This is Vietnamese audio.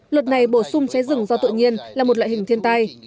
luật này bổ sung cháy rừng do tự nhiên là một loại hình thiên tai